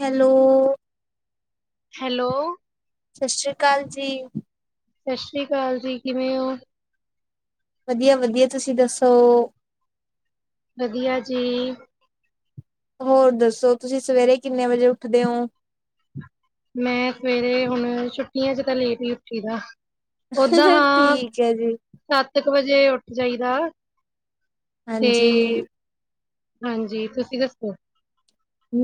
Hello hello ਸਤਿ ਸ੍ਰੀ ਅਕਾਲ ਜੀ ਸਤਿ ਸ੍ਰੀ ਅਕਾਲ ਜੀ ਕਿਵੇਂ ਹੋ ਵਧੀਆ ਵਧੀਆ ਤੁਸੀਂ ਦੱਸੋ ਵਧੀਆ ਜੀ ਹੋਰ ਦੱਸੋ ਤੁਸੀਂ ਸਵੇਰੇ ਕਿੰਨੇ ਵਜੇ ਉੱਠਦੇ ਹੋ ਮੈਂ ਸਵੇਰੇ ਹੁਣ ਛੁੱਟੀਆਂ ਚ ਤਾਂ ਲੇਟ ਹੀ ਉੱਠੀ ਦਾ ਓਦਾਂ ਹਾਂ ਠੀਕ ਹੈ ਜੀ ਸੱਤ ਕੁ ਵਜੇ ਉੱਠ ਜਾਈਦਾ ਤੇ ਹਾਂਜੀ ਹਾਂਜੀ ਤੁਸੀਂ ਦੱਸੋ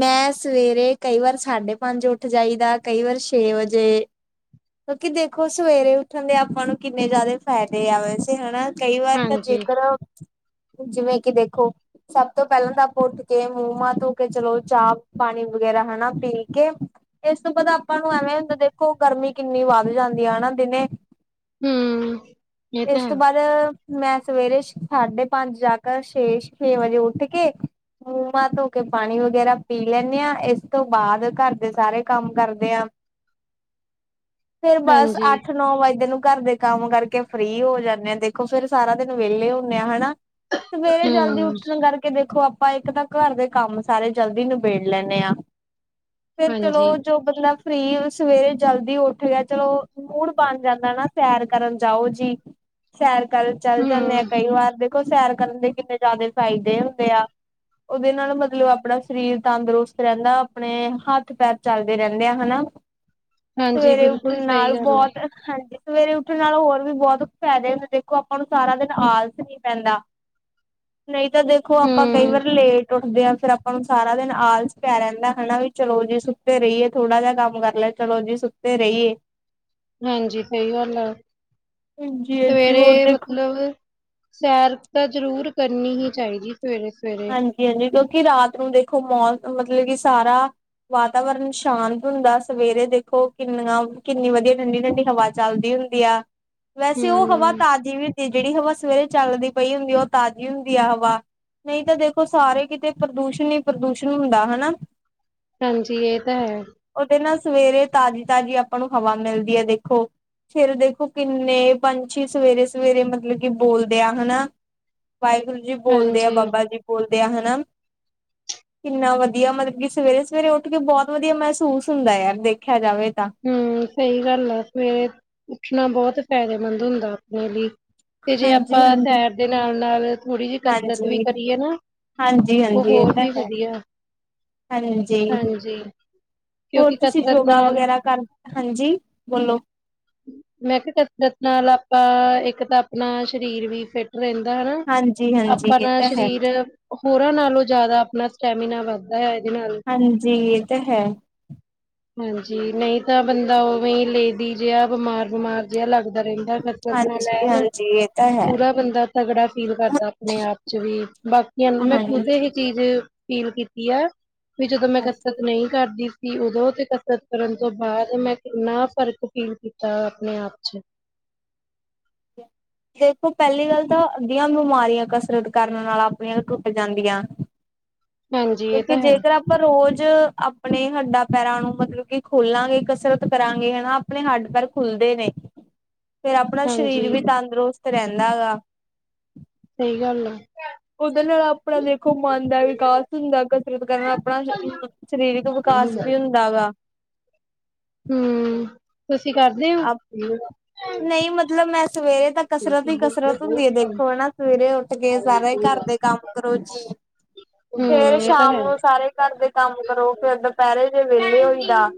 ਮੈਂ ਸਵੇਰੇ ਕਈ ਵਾਰ ਸਾਢੇ ਪੰਜ ਉੱਠ ਜਾਈਦਾ ਕਈ ਵਾਰ ਛੇ ਵਜੇ ਕਿਉਂਕਿ ਦੇਖੋ ਸਵੇਰੇ ਉੱਠਣ ਦੇ ਆਪਾਂ ਨੂੰ ਕਿੰਨੇ ਜ਼ਿਆਦਾ ਫ਼ਾਇਦੇ ਆਏ ਸੀ ਹਨਾ ਕਈ ਵਾਰ ਤਾਂ ਹਾਂਜੀ, ਜੇਕਰ ਜਿਵੇਂ ਕਿ ਦੇਖੋ ਸਭ ਤੋਂ ਪਹਿਲਾਂ ਤਾਂ ਆਪਾਂ ਉੱਠ ਕੇ ਮੂੰਹਮਾਂ ਤੋਂ ਕੇ ਚਲੋ ਚਾਹ ਪਾਣੀ ਵਗੈਰਾ ਹਨਾ ਪੀ ਕੇ ਇਸ ਤੋਂ ਬਾਅਦ ਆਪਾਂ ਨੂੰ ਐਵੇਂ ਹੁੰਦਾ ਦੇਖੋ ਗਰ ਕਿੰਨੀ ਵੱਧ ਜਾਂਦੀ ਆ ਨਾ ਦਿਨੇ ਹੂੰ। ਇਹ ਇਸ ਤਾਂ ਹੈ, ਤੋਂ ਬਾਅਦ ਮੈਂ ਸਵੇਰੇ ਸਾਢੇ ਪੰਜ ਜਾ ਕਰ ਛੇ ਛੇ ਵਜੇ ਉੱਠ ਕੇ ਮੂੰਮਾਂ ਤੋਂ ਕੇ ਪਾਣੀ ਵਗੈਰਾ ਪੀ ਲੈਂਦੇ ਹਾਂ ਇਸ ਤੋਂ ਬਾਅਦ ਘਰ ਦੇ ਸਾਰੇ ਕੰਮ ਕਰਦੇ ਆਾਂ ਫੇਰ ਬਸ ਹਾਂਜੀ, ਅੱਠ ਨੌ ਵੱਜੇਦੇ ਨੂੰ ਘਰ ਦੇ ਕੰਮ ਕਰਕੇ ਫ੍ਰਰੀ ਹੋ ਜਾਂਦੇ ਆਾਂ ਦੇਖੋ ਫੇਰ ਸਾਰਾ ਦਿਨ ਵਿਹਲੇ ਹੁੰਦੇ ਆਾਂ ਹਨਾ ਸਵੇਰੇ ਜਲਦੀ ਹੂੰ, ਉਠਣ ਕਰਕੇ ਦੇਖੋ ਆਪਾਂ ਇੱਕ ਤਾਂ ਘਰ ਦੇ ਕੰਮ ਸਾਰੇ ਜਲਦੀ ਨਿਬੇੜ ਲੈਂਦੇ ਆਾਂ ਫਿਰ ਹਾਂਜੀ, ਚਲੋ ਜੋ ਮਤਲਬ ਫਰੀ ਸਵੇਰੇ ਜਲਦੀ ਉੱਠ ਗਿਆ ਚਲੋ ਮੂੜ ਬਣ ਜਾਂਦਾ ਨਾ ਸੈਰ ਕਰਨ ਜਾਓ ਜੀ ਸੈਰ ਕਰ ਚੱਲ ਜਾਂਦੇ ਆ ਹੂੰ। ਕਈ ਵਾਰ ਦੇ ੋ ਸੈਰ ਕਰਨ ਦੇ ਕਿੰਨੇ ਜ਼ਿਆਦਾ ਫਾਇਦੇ ਹੁੰਦੇ ਆ ਉਹਦੇ ਨਾਲ ਮਤਲਬ ਮਤਲਬ ਆਪਣਾ ਸਰੀਰ ਤੰਦਰੁਸਤ ਰਹਿੰਦਾ ਆਪਣੇ ਹੱਥ ਪੈਰ ਚੱਲਦੇ ਰਹਿੰਦੇ ਆ ਹਨਾ ਹਾਂਜੀ, ਸਵੇਰੇ ਬਿਲਕੁਲ ਉੱਠਣ ਸਹੀ ਨਾਲ ਗੱਲ ਆ, ਬਹੁਤ ਹਾਂਜੀ ਸਵੇਰੇ ਉੱਠਣ ਨਾਲ ਹੋਰ ਵੀ ਬਹੁਤ ਫਾਇਦੇ ਹੁੰਦੇ ਦੇਖੋ ਆਪਾਂ ਨੂੰ ਸਾਰਾ ਦਿਨ ਆਲਸ ਨਹੀਂ ਪੈਂਦਾ ਨਹੀਂ ਤਾਂ ਦੇਖੋ ਆਪਾਂ ਕਈ ਹੂੰ, ਵਾਰ ਲੇਟ ਉੱਠਦੇ ਹ ਫੇਰ ਆਪਾਂ ਨੂੰ ਸਾਰਾ ਦਿਨ ਆਲਸ ਪੈ ਰਹਿੰਦਾ ਹਨਾ ਵੀ ਚਲੋ ਜੀ ਸੁੱਤੇ ਰਹੀਏ ਥੋੜਾ ਜਿਹਾ ਕੰਮ ਕਰ ਲੈ ਚਲੋ ਜੀ ਸੁਕਤੇ ਰਹੀਏ ਹਾਂਜੀ ਸਹੀ ਗੱਲ ਆ ਹਾਂਜੀ ਹਾਂਜੀ ਹੋਰ ਸਵੇਰੇ ਦੇਖੋ ਮਤਲਬ ਸੈਰ ਤਾਂ ਜ਼ਰੂਰ ਕਰਨੀ ਹੀ ਚਾਹੀਦੀ ਸਵੇਰੇ ਸਵੇਰੇ ਕਿ ਰਾਤ ਨੂੰ ਦੇਖੋ ਮੋਲ ਮਤਲਬ ਕਿ ਸਾਰਾ ਵਾਤਾਵਰਨ ਸ਼ਾਂਤ ਹੁੰਦਾ ਸਵੇਰੇ ਦੇਖੋ ਕਿੰਨਾ ਕਿੰਨੀ ਵਧੀਆ ਠੰਡੀ ਠੰਢਡੀ ਹਵਾ ਚੱਲਦੀ ਹੁੰਦੀ ਆ ਵੈਸੇ ਉਹ ਹਵਾ ਹੂੰ। ਤਾਜ਼ੀ ਵੀ ਤੇ ਜਿਹੜੀ ਹਵਾ ਸਵੇਰੇ ਚੱਲਦੀ ਪਈ ਹੁੰਦੀ ਉਹ ਤਾਜ਼ੀ ਹੁੰਦੀ ਆ ਹਵਾ ਨਹੀਂ ਤਾਂ ਦੇਖੋ ਸਾਰੇ ਕਿਤੇ ਪ੍ਰਦੂਸ਼ਣ ਹੀ ਪ੍ਰਦੂਸ਼ਣ ਹੁੰਦਾ ਹਨਾ ਹਾਂਜੀ ਇਹ ਤਾਂ ਹੈ ਉਹਦੇ ਨਾਲ ਸਵੇਰੇ ਤਾਜ਼ੀ ਤਾਜ਼ੀ ਆਪਾਂ ਨੂੰ ਹਵਾ ਮਿਲਦੀ ਹੈ ਦੇਖੋ ਫਿਰ ਦੇਖੋ ਕਿੰਨੇ ਪੰਛੀ ਸਵੇਰੇ ਸਵੇਰੇ ਮਤਲਬ ਕਿ ਬੋਲਦੇ ਆ ਹਨਾ ਵਾਹਿਗੁਰੂ ਜੀ ਬੋਲਦੇ ਆ ਹਾਂਜੀ, ਬਾਬਾ ਜੀ ਬੋਲਦੇ ਆ ਹਨ ਨਾ ਕਿੰਨਾ ਵਧੀਆ ਮਤਲਬ ਕਿ ਸਵੇਰੇ ਸਵੇਰੇ ਉੱਠ ਕੇ ਬਹੁਤ ਵਧੀਆ ਮਹਿਸੂਸ ਹੁੰਦਾ ਯਾਰ ਦੇਖਿਆ ਜਾਵੇ ਤਾਂ। ਹਮ ਸਹੀ ਗੱਲ ਆ ਸਵੇਰੇ ਉੱਠਣਾ ਬਹੁਤ ਫਾਇਦੇਮੰਦ ਹੁੰਦਾ ਆਪਣੇ ਲਈ ਤੇ ਜੇ ਹਾਂਜੀ ਆਪਾਂ ਹਾਂਜੀ। ਸੈਰ ਦੇ ਨਾਲ ਨਾਲ ਥੋੜ੍ਹੀ ਜਿਹੀ ਕਸਰਤ ਵੀ ਹਾਂਜੀ ਕਰੀਏ ਨਾ ਹਾਂਜੀ ਉਹ ਹਾਂਜੀ ਇਹ ਹੋਰ ਤਾਂ ਵੀ ਹੈ ਵਧੀਆ ਹਾਂਜੀ ਹਾਂਜੀ ਹੋਰ ਕਿਉਂਕਿ ਤੁਸੀਂ ਕਸਰਤ ਯੋਗਾ ਨਾਲ ਵਗੈਰਾ ਕਰ ਹਾਂਜੀ ਬੋਲੋ ਮੈਂ ਕਿਹਾ ਕਤ ਨਾਲ ਾਂ ਇੱਕ ਤਾਂ ਆਪਣਾ ਸਰੀਰ ਵੀ ਫਿੱਟ ਰਹਿੰਦਾ ਹਨਾ ਹਾਂਜੀ ਹਾਂਜੀ ਇਹ ਆਪਾਂਣਾ ਤਾਂ ਹੈ ਸਰੀਰ ਹੋਰਾਂ ਨਾਲੋਂ ਜ਼ਿਆਦਾ ਆਪਣਾ ਸਟੈਮੀਨਾ ਵੱਧਦਾ ਹੈ ਨਾਲ। ਹਾਂਜੀ ਇਹ ਤਾਂ ਹੈ, ਹਾਂਜੀ, ਨਹੀਂ ਤਾਂ ਬੰਦਾ ਉਵੇਂ ਲੇ ਦੀ ਜਿਹਾ ਬਿਮਾਰ ਬਮਾਰ ਜਿਹਾ ਲੱਗਦਾ। ਰਹਿੰਦਾ ਫਸਲ ਹਾਂਜੀ ਲੇਣਾ ਹਾਂਜੀ ਇਹ ਤਾਂ ਹੈ ਪੂਰਾ ਬੰਦਾ ਤਗੜਾ ਫੀਲ ਕਰਦਾ ਆਪਣੇ ਆਪ ਚ ਵੀ, ਬਾਕੀਆਂ ਨੂੰ ਮੈਂ ਹਾਂਜੀ ਖੁਦ ਇਹ ਚੀਜ਼। ਫੀਲ ਕੀਤੀ ਹੈ, ਵੀ ਜਦੋਂ ਮੈਂ ਹਾਂਜੀ। ਕਸਰਤ ਨਹੀਂ ਕਰਦੀ ਸੀ ਉਦੋਂ ਤੇ ਕਸਰਤ ਕਰਨ ਤੋਂ ਬਾਅਦ ਮੈਂ ਕਿੰਨਾ ਫ਼ਰਕ ਫੀਲ ਕੀਤਾ, ਆਪਣੇ ਆਪ ਚ ਦੇਖੋ, ਪਹਿਲੀ ਗੱਲ ਤਾਂ ਅੱਧੀਆਂ ਬਿਮਾਰੀਆਂ ਕਸਰਤ ਕਰਨ ਨਾਲ ਆਪਣੀਆਂ ਟੁੱਟ ਜਾਂਦੀਆਂ। ਹਾਂਜੀ ਇਹ ਕਿਉਂਕਿ ਤਾਂ ਹੈ ਜੇਕਰ ਆਪਾਂ ਰੋਜ਼, ਆਪਣੇ ਹੱਡਾਂ ਪੈਰਾਂ ਨੂੰ ਮਤਲਬ ਕਿ ਖੋਲਾਂਗੇ ਕਸਰਤ ਕਰਾਂਗੇ, ਹਨਾ ਆਪਣੇ ਹੱਡ ਪੈਰ ਖੁੱਲ ਨੇ ਫਿਰ ਆਪਣਾ ਸਰੀਰ ਹਾਂਜੀ ਵੀ ਤੰਦਰੁਸਤ ਰਹਿੰਦਾ ਗਾ। ਸਹੀ ਗੱਲ ਹੈ। ਉਹਦੇ ਨਾਲ ਆਪਣਾ ਦੇਖੋ, ਮਨ ਦਾ ਵਿਕਾਸ ਹੁੰਦਾ ਕਸਰਤ ਕਰਨਾ ਆਪਣਾ ਸਰੀਰਕ ਵਿ ਪਾਸ ਵੀ ਹੁੰਦਾ ਗਾ। ਹੂੰ ਤੁਸੀਂ ਕਰਦੇ ਔ? ਨਹੀਂ ਮਤਲਬ ਮੈਂ ਸਵੇਰੇ ਤਾਂ ਕਸਰਤ ਹੀ ਕਸਰਤ ਹੁੰਦੀ ਹੈ ਦੇਖੋ ਹਨਾ, ਸਵੇਰੇ ਉੱਠ ਕੇ ਸਾਰੇ ਘਰ ਦੇ ਕੰਮ ਕਰੋ ਜੀ। ਫੇਰ ਹੂੰ ਇਹ ਤਾਂ ਸ਼ਾਮ ਹੈ ਨੂੰ ਸਾਰੇ ਘਰ ਦੇ ਕੰਮ ਕਰੋ, ਫੇਰ ਦੁਪਹਿਰੇ ਜੇ ਵਿਹਲੇ ਹੋਈ ਦਾ।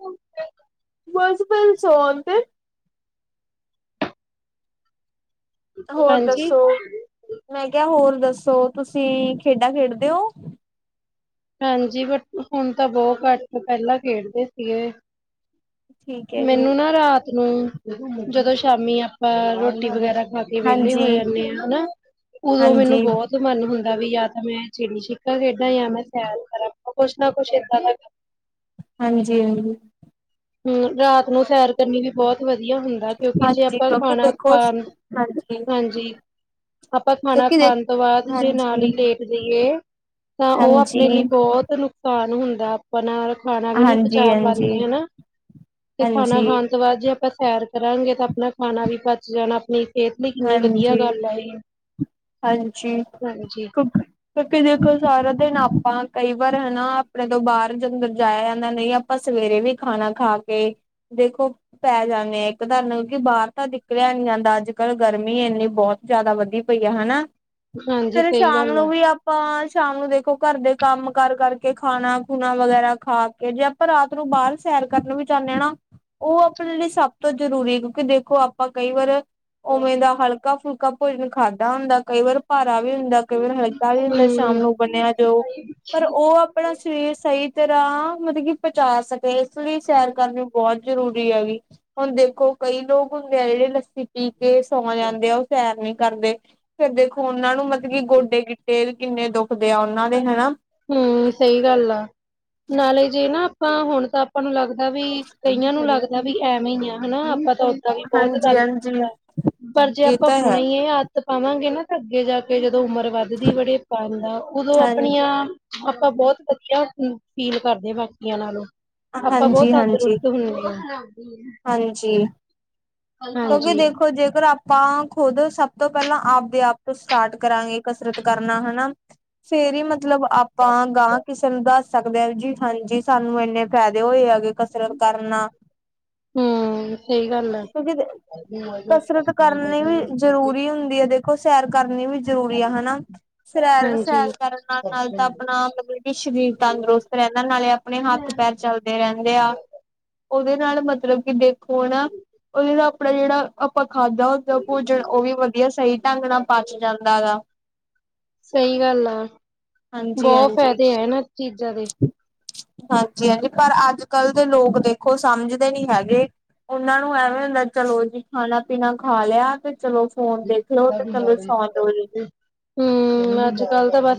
ਬਸ ਬਲ ਸੌ ਤੇ, ਹੋਰ ਹਾਂਜੀ ਦੱਸੋ ਮੈਂ ਕਿਹਾ, ਹੋਰ ਦੱਸੋ? ਸੋ ਤੁਸੀਂ ਖੇਡਾਂ ਖੇਡਦੇ ਹੋ? ਹਾਂਜੀ, ਬਟ ਹੁਣ ਤਾਂ ਬਹੁਤ ਘੱਟ ਪਹਿਲਾਂ ਖੇਡਦੇ ਸੀਗੇ। ਠੀਕ ਹੈ ਜੀ ਮੈਨੂੰ ਨਾ ਰਾਤ ਨੂੰ ਜਦੋਂ ਸ਼ਾਮੀ ਆਪਾਂ ਰੋਟੀ ਵਗੈਰਾ। ਖ ਕੇ ਵਿਹਲੇ ਹੋ ਹਾਂਜੀ। ਜਾਂਦੇ ਆ ਹਨਾ, ਉਦੋਂ ਮੈਨੂੰ ਹਾਂਜੀ, ਬਹੁਤ ਮਨ ਹੁੰਦਾ। ਵੀ ਜਾਂ ਤਾਂ ਮੈਂ ਚਿੜੀ ਛਿੱਕਾ ਖੇਡਾਂ ਜਾਂ ਮੈਂ ਸੈਰ ਕਰਾਂ ਕੁੱਛ ਨਾ ਕੁਛ ਏਦਾਂ ਦਾ ਕਰ, ਹਾਂਜੀ-ਹਾਂਜੀ, ਹੂੰ, ਰਾਤ ਨੂੰ ਸੈਰ ਕਰਨੀ ਵੀ ਬਹੁਤ ਵਧੀਆ, ਵਧੀਆ ਹੁੰਦਾ, ਕਿਉਂਕਿ ਜੇ ਹਾਂਜੀ ਆਪਾਂ ਕਿਉਂਕਿ ਦੇਖੋ ਖਾਣਾ-ਖਾਣ ਹਾਂਜੀ ਹਾਂਜੀ। ਆਪਾਂ ਕਿਉਂਕਿ ਦੇ ਖਾਣਾ-ਖਾਣ ਤੋਂ ਬਾਅਦ ਜੇ ਨਾਲ ਹਾਂਜੀ, ਹੀ ਲੇਟ ਜਾਈਏ। ਤਾਂ ਉਹ ਆਪਣੇ ਲਈ ਹਾਂਜੀ, ਬਹੁਤ ਨੁਕਸਾਨ ਹੁੰਦਾ ਆਪਣਾ। ਖਾਣਾ ਵੀ ਨੀ ਹਾਂਜੀ, ਪਹੁੰਚਾ ਹਾਂਜੀ, ਪਾਦੇ ਹਨਾ, ਤੇ ਖਾਣਾ ਹਾਂਜੀ, ਖਾਣ ਤੋਂ ਬਾਅਦ ਜੇ ਆਪਾਂ ਸੈਰ ਕਰਾਂਗੇ, ਤਾਂ ਆਪਣਾ ਖਾਣਾ ਵੀ ਪਚ ਜਾਣਾ ਆਪਣੀ ਸਿਹਤ ਲਈ ਕਿੰਨੀ ਵਧੀਆ ਹਾਂਜੀ। ਗੱਲ ਐ ਹਾਂਜੀ, ਕਿ ਕਿਉਂਕਿ ਦੇਖੋ ਸਾਰਾ ਦਿਨ ਆਪਾਂ ਕਈ ਵਾਰ ਹਨਾ, ਆਪਣੇ ਤੋਂ ਬਾਹਰ ਅੰਦਰ ਜਾਇਆ ਜਾਂਦਾ ਨਹੀਂ ਆਪਾਂ ਸਵੇਰੇ ਵੀ ਖਾਣਾ ਖਾ ਕੇ, ਦੇਖੋ ਪੈ ਜਾਂਦੇ ਆ ਇੱਕ ਤੁਹਾਨੂੰ ਬਾਹਰ ਤਾਂ ਨਿਕਲਿਆ ਨੀ ਜਾਂਦਾ ਅੱਜ ਅੱਜ-ਕਲ੍ਹ ਗਰਮੀ ਇੰਨੀ ਬਹੁਤ ਜਿਆਦਾ ਵਧੀ ਪਈ ਆ ਹਨਾ। ਹਾਂਜੀ ਫਿਰ ਸਹੀ ਸ਼ਾਮ ਗੱਲ ਆ ਨੂੰ ਵੀ ਆਪਾਂ ਸ਼ਾਮ ਨੂੰ ਦੇਖੋ ਘਰ ਦੇ, ਕੰਮ ਕਰ ਕਰਕੇ ਖਾਣਾ ਖੂਣਾ ਵਗੈਰਾ ਖਾ ਕੇ ਜੇ ਆਪਾਂ ਰਾਤ ਨੂੰ ਬਾਹਰ ਸੈਰ ਕਰਨ ਵੀ ਚਾਹੁੰਦੇ ਹਾਂ ਨਾ, ਉਹ ਆਪਣੇ ਲਈ ਸਭ ਤੋਂ ਜ਼ਰੂਰੀ ਹੈ, ਕਿਉਂਕਿ ਦੇਖੋ ਆਪਾਂ ਕਈ ਵਾਰ ਉਵੇਂ ਦਾ ਹਲਕਾ-ਫੁਲਕਾ ਭੋਜਨ ਖਾਧਾ ਹੁੰਦਾ ਕਈ ਵਾਰ ਭਾਰਾ ਵੀ ਹੁੰਦਾ ਕਈ ਵਾਰ ਹਲ ਕਾਹੀ ਹੁੰਦਾ ਸ਼ਾਮ ਹੂੰ ਨੂੰ ਬਣਿਆ ਜਾਓ ਪਰ ਉਹ, ਆਪਣਾ ਸਰੀਰ ਸਹੀ ਤਰ੍ਹਾਂ ਮਤਲਬ ਕਿ ਪਹੁੰਚਾ ਸਕੇ, ਇਸ ਲਈ ਸੈਰ ਕਰਨੀ ਬਹੁਤ ਜ਼ਰੂਰੀ ਹੈਗੀ। ਹੁਣ ਦੇਖੋ ਕਈ ਲੋਕ ਹੁੰਦੇ ਆ ਜਿਹੜੇ ਲੱਸੀ, ਪੀ ਕੇ ਸੌਂ ਜਾਂਦੇ ਆ, ਉਹ ਸੈਰ ਨੀ ਕਰਦੇ ਫੇਰ ਦੇਖੋ, ਉਹਨਾਂ ਨੂੰ ਮਤਲਬ ਕਿ ਗੋਡੇ ਗਿਟੇ ਕਿੰਨੇ ਦੁੱਖ ਦੇ ਆ ਉਹਨਾਂ ਦੇ ਹਨਾ। ਹੂੰ, ਸਹੀ ਗੱਲ ਆ ਨਾਲੇ ਜੇ ਨਾ ਆਪਾਂ ਹੁਣ ਤਾਂ ਆਪਾਂ ਨੂੰ ਲੱਗਦਾ। ਵੀ ਕਈਆਂ ਨੂੰ ਲੱਗਦਾ ਵੀ ਐਵੇਂ ਹੀ ਆ ਹਨਾ ਆਪਾਂ ਦਾਂ ਵੀ ਬਹੁਤ ਗਦਾ ਹਾਂਜੀ ਹਾਂਜੀ। ਪਰ ਜੇ ਇਹ ਆਪਾਂ ਤਾਂ ਹੈ ਹੁਣੇ ਹੀ ਇਹ ਆੱਤ ਪਾਵਾਂਗੇ ਨਾ, ਅੱਗੇ ਜਾ ਕੇ ਜਦੋਂ ਉਮਰ ਵੱਧਦੀ ਵੜੇ ਪਾਦਾ ਉਦੋਂ ਹਾਂ ਆਪਣੀਆਂ, ਆਪਾਂ ਬਹੁਤ ਵਧੀਆ ਫੀਲ ਕਰਦੇ ਹਾਂ ਬਾਕੀਆਂ ਨਾਲੋਂ, ਆਪਾਂ ਬਹੁਤ ਹਾਂਜੀ ਹਾਂਜੀ ਤੰਦਰੁਸਤ ਹੁੰਦੇ, ਹਾਂਜੀ। ਕਿਉਂਕਿ ਹਾਂਜੀ ਦੇਖੋ ਜੇਕਰ ਆਪ ਆਪਾਂ ਖੁਦ ਸਭ ਤੋਂ ਪਹਿਲਾਂ ਆਪਦੇ ਆਪ ਤੋਂ ਸਟਾਰਟ ਕਰਾਂਗੇ ਕਸਰਤ ਕਰਨਾ ਹਨਾ ਫੇਰ ਹੀ ਮਤ ਮਤਲਬ ਆਪਾਂ ਗਾਂਹ ਕਿਸੇ ਨੂੰ ਦੱਸ ਸਕਦੇ ਹਾਂ ਜੀ ਹਾਂਜੀ ਸਾਨੂੰ ਇੰਨੇ ਫਾਇਦੇ ਹੋਏ ਹੈਗੇ। ਕਸਰਤ ਕਰਨਾ। ਹੁ, ਸਹੀ ਗੱਲ ਆ। ਕਿਉਂਕਿ ਕਸਰਤ ਕਰਨੀ ਵੀ ਜਰੂਰੀ ਹੁੰਦੀ ਐ ਦੇਖੋ ਸੈਰ ਕਰਨੀ ਵੀ ਜ਼ਰੂਰੀ ਆ ਹਨਾ, ਫਿਰੇਰ ਸੈਰ ਹਾਂਜੀ। ਕਰਨ ਨਾਲ ਨਾਲ ਤਾਂ ਆਪਣਾ ਮਤਲਬ ਕਿ ਸਰੀਰ ਤੰਦਰੁਸਤ ਰਹਿ ਇਹਨਾਂ ਨਾਲੇ ਆਪਣੇ ਹੱਥ ਪੈਰ ਚੱਲਦੇ ਰਹਿੰਦੇ ਆ ਉਹਦੇ ਨਾਲ ਮਤਲਬ ਕਿ ਦੇਖੋ ਨਾ ਉਹਦੇ ਦਾ ਆਪਣਾ ਜਿਹੜਾ ਆਪਾਂ ਖਾਧਾਦ ਭੋਜਨ ਉਹ ਵੀ ਵਧੀਆ ਸਹੀ ਢੰਗ ਨਾਲ ਪਚ ਜਾਂਦਾ ਗਾ। ਸਹੀ ਗੱਲ ਆ, ਹਾਂਜੀ ਬਹੁਤ ਹਾਂਜੀ ਫਾਇਦੇ ਆ ਇਹਨਾਂ ਚੀਜ਼ਾਂ ਦੇ। ਜ ਹਾਂਜੀ ਪਰ ਅੱਜ ਕੱਲ ਦੇ ਲੋਕ ਦੇਖੋ ਸਮਝਦੇ ਨੀ ਹੈਗੇ। ਉਹਨਾਂ ਨੂੰ ਐਵੇਂ ਹੁੰਦਾ ਚਲੋ ਜੀ ਖਾਣਾ ਪੀਣਾ ਖਾ ਲਿਆ ਤੇ ਚਲੋ ਫੋਨ ਦੇਖ ਲੋ ਤੇ ਚਲੋ ਸੌ ਜੋ ਜੀ ਹੁ, ਅੱਜ ਕਲ ਤਾਂ ਬਾਸ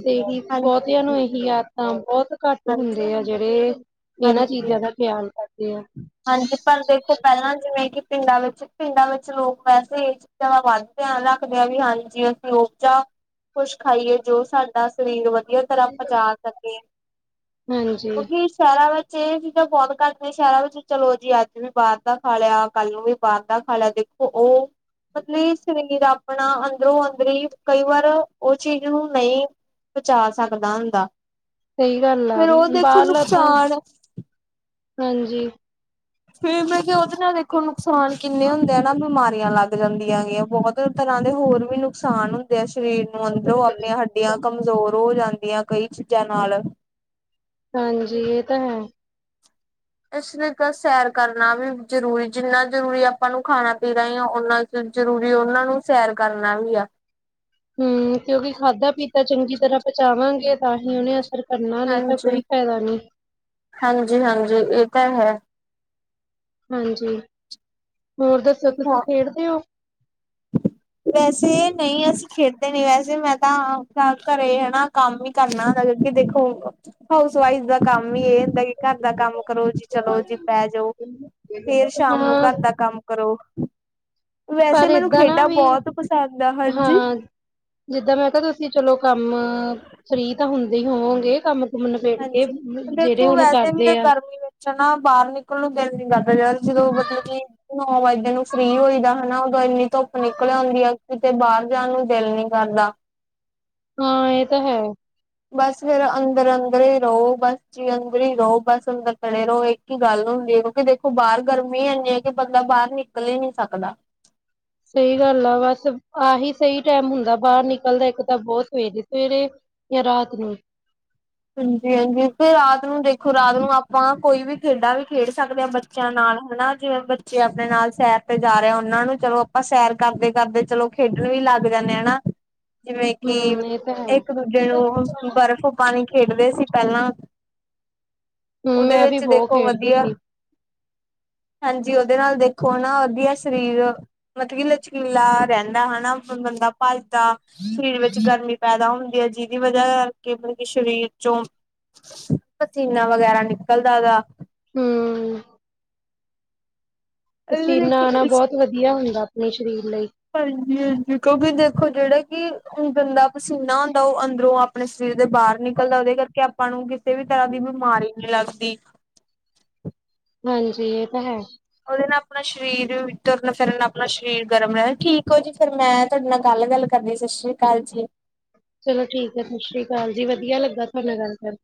ਬਹੁਤਿਆਂ ਹਾਂਜੀ। ਨੂੰ ਇਹੀ ਆਦਤਾਂ ਬਹੁਤ ਘੱਟ ਹਾਂਜੀ ਹੁੰਦੇ ਆ ਜਿਹੜੇ ਇਹਨਾਂ ਹਾਂਜੀ ਚੀਜ਼ਾਂ ਦਾ ਤਿਆਨ ਕਰੱ ਹਾਂਜੀ, ਪਰ ਦੇਖੋ ਪਹਿਲਾਂ ਜਿਵੇਂ ਕਿ ਪਿੰਡਾਂ ਵਿੱਚ ਪਿੰਡਾਂ ਵਿੱਚ ਲੋਕ ਵੈਸੇ ਏ ਚੀਜ਼ਾਂ ਵ ਵੱਧ ਤੇਆਨ ਰੱਖਦੇ ਹਾਂ ਵੀ ਹਾਂਜੀ ਅਸੀਂ ਉਪਜਾ ਖੁਸ਼ ਖਾਈਏ ਜੋ ਸਾਡਾ ਸਰੀਰ ਵ ਵਧੀਆ ਤਰ੍ਹਾਂ ਪੱਚਾ ਸਕੇ। ਹਾਂਜੀ ਕਿਉਂਕਿ ਸ਼ੇਰਾ ਵਿੱਚ ਏ ਚ ਤਾਂ ਬਹੁਤ ਘੱਟਦੇ ਸ਼ਹਿਰਾਂ ਵਿੱਚ ਚਲੋ ਜੀ ਅੱਜ ਵੀ ਬਾਰ ਦਾ ਖਾ ਲਿਆ, ਕੱਲ ਨੂੰ ਵੀ ਬਾਰ ਦਾ ਖਾ ਲਿਆ, ਦੇਖੋ ਉਹ ਸਰੀਰ ਆਪਣਾ ਅਣ ਅੰਦਰੋਂ ਅੰਦਰੀ ਕਈ ਵਾਰ ਉਹ ਚੀਜ਼ ਨੂੰ ਨਹੀਂ ਪੱਚਾ ਸਕਦਾ ਹੁੰਦਾ। ਸਹੀ ਗੱਲ ਆ ਫੇਰ ਉਹ ਦੇਖੋ ਬਾਹਰਲਾ ਤਾਂ ਨੁਕਸਾਨ ਹਾਂਜੀ। ਫੇਰ ਮੈਂ ਕਿਆ ਉਹਦੇ ਨਾਲ ਦੇਖੋ ਨੁਕਸਾਨ ਕਿੰਨੇ ਹੁੰਦੇ ਆ ਨਾ ਬਿਮਾਰ ਲੱਗ ਜਾਂਦੀਆਂ ਹੈਗੀਆਂ ਬਹੁਤ ਤਰਹਾਂ ਦੇ ਹੋਰ ਵੀ ਨੁਕਸਾਨ ਹੁੰਦੇ ਸ਼ ਸ਼ਰੀਰ ਅੰਦਰੋਂ ਆਪਣੇ ਹੱਡੀਆਂ ਕਮਜ਼ੋਰ ਹੋ ਜਾਂਦੀਆਂ ਕਈ ਚੀਜ਼ਾਂ ਨਾਲ। ਹਾਂਜੀ, ਇਹ ਤਾਂ ਹੈ। ਸੈਰ ਕਰਨਾ ਵੀ ਜਰੂਰੀ ਜਿੰਨਾ ਜਰੂਰੀ ਆਪਾਂ ਨੂੰ ਖਾਣਾ ਪੀਣਾ ਆ ਉੰਨਾ ਕ ਜਰੂਰੀ ਉਹਨਾਂ ਨੂੰ ਸੈਰ ਕਰਨਾ ਵੀ ਆ ਕਿਉਂਕਿ ਖਾਦਾ ਪੀਤਾ ਚੰਗੀ ਤਰ੍ਹਾਂ ਪਚਾਵਾਂਗੇ ਤਾਂ ਹੀ ਉਹਨੇ ਕਰਨਾ ਨਹੀਂ ਤਾਂ ਹਾਂਜੀ, ਕੋਈ ਫਾਇਦਾ ਨਹੀਂ ਹਾਂਜੀ, ਹਾਂਜੀ, ਏ ਤਾਂ ਹੈ। ਹਾਂਜੀ, ਹੋਰ ਦੱਸੋ ਤੁਸੀ ਖੇਡਦੇ ਹੋ? ਵੈਸੇ ਨਹੀਂ, ਅਸੀਂ ਖੇ ਨੀ ਵੈਸੇ ਮੈਂ ਤਾਂ ਕਾਰ ਕਰੇ ਹਨਾ ਕੰਮ ਹੀ ਕਰਨਾ ਕਿਉਂਕਿ ਦੇਖੋ ਹਾਊਸ ਵਾਈਜ਼ ਦਾ ਕੰਮ ਵੀ ਐ ਹੁੰਦਾ ਵੀ ਕਾਰ ਦਾ ਕੰਮ ਕਰੋ ਜੀ, ਚਲੋ ਜੀ ਪੈ ਜੋ ਫੇਰ ਸ਼ਾਮ ਨੂੰ ਹਾਂ ਕਾਰ ਦਾ ਕੰਮ ਕਰੋ। ਵੈਸੇ ਪਰ ਮੈਨੂੰ ਇਦਾਂ ਨਾ ਖੇਡਾਂ ਵੀ, ਬਹੁਤ ਪਸੰਦ ਆ ਹਾਂਜੀ ਹਾਂ, ਜਿੱਦਾਂ ਮੈਂ ਕਿਹਾ ਤੁਸੀਂ ਚਲੋ ਕਾ ਮ ਫਰੀ ਤਾਂ ਹੁੰਦੇ ਹੀ ਹੋਵੋਗੇ ਕੰਮ ਕੁਮ ਨਬੇੜ ਕੇ ਹਾਂਜੀ, ਜਿਹੜੇ ਵੇਖੋ ਹੁਣ ਵੈਸੇ ਵੀ ਕਰਦੇ ਆ। ਗਰਮੀ ਵਿੱਚ ਨਾ ਬਾਹਰ ਨਿਕਲ ਨੂੰ ਦਿਲ ਨਹੀਂ ਕਰਦਾ [unintelligible] ਮਤਲਬ ਕਿ ਨੋ ਵਜੇ ਨੂੰ ਫਰੀ ਹੋਈਦਾ ਹਨਾ ਉਦੋਂ ਇਨੀ ਤੁੱਪ ਨਿਕਲ ਆਉਂਦੀ ਆ ਕਿਤੇ ਬਾਹਰ ਜਾਣ ਨੂੰ ਦਿਲ ਨਹੀਂ ਕਰਦਾ। ਆਵਾਜ਼ ਨਹੀਂ ਆ ਰਹੀ ਹਾਂ, ਏ ਤਾਂ ਹੈ। ਬਸ ਫੇਰ ਅੰਦਰ ਅੰਦਰ ਹੀ ਰਹੋ, ਬਸ ਜੀ ਅੰਗਰ ਈ ਰਹੋ, ਬਸ ਅੰਦਰ ਪੜੇ ਰੋ ਇੱਕ ਹੀ ਗੱਲ ਹੁਨ ਹੁਣ ਦੇਖੋ ਬਾਰ ਗਰਮੀ ਇੰਨੀ ਹ ਕਿ ਬੰਦਾ ਬਾਹਰ ਨਿਕਲ ਈ ਨੀ ਸਕਦਾ। ਸਹੀ ਗੱਲ ਆ, ਬਸ ਆਹੀ ਸਹੀ ਟਾਈਮ ਹੁੰਦਾ ਬਾਹਰ ਨਿਕਲਦਾ ਇੱਕ ਤਾਂ ਬੋਤ ਸਵੇਰੇ ਸਵੇਰੇ। ਯਾ ਰਾਤ ਨੂੰ। ਕੋਈ ਅਵਾਜ਼ ਨਹੀਂ ਹਾਂਜੀ ਹਾਂਜੀ ਫਿਰ ਰਾਤ ਨੂੰ ਦੇਖੋ ਰਾਤ ਨੂੰ ਆਪਾਂ ਕੋਈ ਵੀ ਖੇਡਾ ਵੀ ਖੇਡ ਸਕਦੇ ਆਂ ਬੱਚਿਆਂ ਨਾਲ ਹਨਾ ਜਿਵੇਂ ਬੱਚੇ ਆਪਣੇ ਨਾਲ ਸੈਰ ਤੇ ਜਾ ਰਹੇ ਉਹਨਾਂ ਨੂੰ ਚਲੋ ਆਪਾਂ ਸੈਰ ਕਰਦੇ ਕਰਦੇ ਚਲੋ ਖੇਡ ਲੱਗ ਜਾਂਦੇ ਆ ਹਨਾ ਜਿਵੇਂ ਕਿ ਹੂੰ ਇਹ ਤਾਂ ਹੈ ਇੱਕ ਦੂਜੇ ਨੂੰ ਗਰਫ ਪਾਣੀ ਇਨਵੇ ਸੀ ਪਹਿਲਾਂ ਹੂੰ ਉਹਦੇ ਮੈਂ ਵੀ ਵਿੱਚ ਬਹੁਤ ਦੇਖੋ ਖੇਡਦੀ ਵਧੀਆ ਸੀ ਹਾਂਜੀ ਉਹਦੇ ਨਾਲ ਦੇਖੋ ਨਾ ਵਧੀਆ ਸਰੀਰ ਮਤਲਬ ਵੀ ਲਚਕੀਲਾ ਰਹਿੰਦਾ ਹਨਾ ਭੱਜਦਾ ਸਰੀਰ ਵਿੱਚ ਗਰਮੀ ਪੈਦਾ ਹੁੰਦੀ ਹੈ ਜਿੰਦੀ ਵਜਾ ਕਰਕੇ ਸਰੀਰ ਪਸੀਨਾ ਵਗੈਰਾ ਨਿਕਲਦਾ ਗਾ ਹਮ ਇਹਦੇ ਲਈ ਪਸੀਨਾ ਨਾ ਬਹੁਤ ਵਧੀਆ ਹੁੰਦਾ ਆਪਣੇ ਸਰੀਰ ਲਈ ਕਿਉਂਕਿ ਦੇਖੋ ਜਿਹੜੇ ਬੰਦਾ ਪਸੀਨਾ ਹੁੰਦਾ ਉਹ ਅੰਦਰੋਂ ਆਪਣੇ ਸਿਰ ਦੇ ਬਾਹਰ ਨਿਕਲ ਉਹਦੇ ਕਰਕੇ ਆਪਾਂ ਨੂੰ ਇਹ ਵੀ ਤਰ੍ਹਾਂ ਦੀ ਬਿਮਾਰੀ ਨਹੀਂ ਲੱਗਦੀ ਹਾਂਜੀ ਇਹ ਤਾਂ ਹੈ ਔਰ ਆਪਣਾ ਸਰੀਰ ਮਿੱਤਰ ਨੂੰ ਸ਼ਰਨ ਆਪਣਾ ਸਰੀਰ ਗਰਮ ਰਹਿ ਠੀਕ ਹੋ ਜੀ ਫਿਰ ਮੈਂ ਤੁਹਾਡੇ ਨਾਲ ਅਲਗ ਅਲ ਕਰਨੀ ਸਤਿ ਸ਼੍ਰੀ ਅਕਾਲ ਜੀ ਚਲੋ ਠੀਕ ਹ ਸਤਿ ਸ਼੍ਰੀ ਅਕਾਲ ਜੀ ਵਧੀਆ ਲੱਗਾ ਤੁਹਾਡੇ ਨਾਲ ਗੱਲ